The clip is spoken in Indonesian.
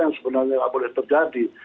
yang sebenarnya tidak boleh terjadi